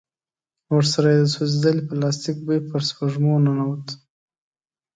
ورسره يې د سوځېدلي پلاستيک بوی پر سپږمو ننوت.